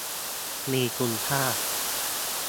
มีคุณค่า